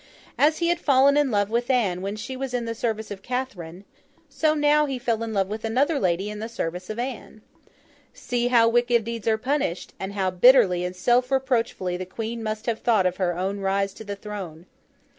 As he had fallen in love with Anne when she was in the service of Catherine, so he now fell in love with another lady in the service of Anne. See how wicked deeds are punished, and how bitterly and self reproachfully the Queen must now have thought of her own rise to the throne!